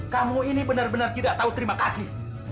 kamu ini benar benar tidak tahu terima kasih